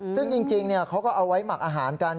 ซึ่งจริงเขาก็เอาไว้หมักอาหารกัน